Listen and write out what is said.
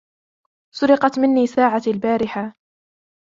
سُرقت مني ساعتي البارحة.